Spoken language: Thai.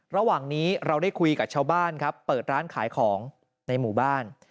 ระหว่างนี้เราได้คุยกับชาวบ้านครับเปิดร้านขายของในหมู่บ้าน